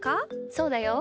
そうだよ。